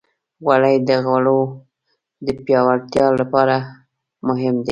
غوړې د غړو د پیاوړتیا لپاره مهمې دي.